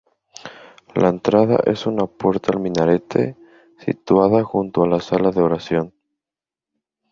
La entrada es una puerta al minarete situada junto a la sala de oración.